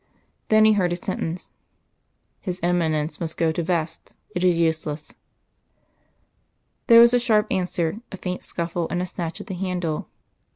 Then he heard a sentence. "His Eminence must go to vest; it is useless." There was a sharp answer, a faint scuffle, and a snatch at the handle.